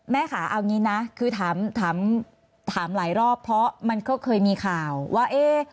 ค่ะเอางี้นะคือถามหลายรอบเพราะมันก็เคยมีข่าวว่าเอ๊ะ